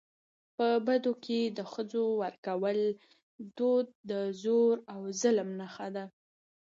په بدو کي د ښځو ورکولو دود د زور او ظلم نښه وه .